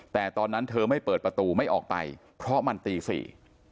แต่ตอนนั้นเธอไม่เปิดประตูไม่ออกไปเพราะมันตีสี่